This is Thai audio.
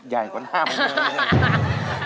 ใหญ่กว่า๕ไม่เหมือน๖